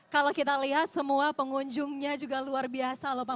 kalau kita lihat semua pengunjungnya juga luar biasa lho pak